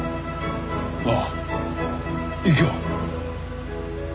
ああ行くよ。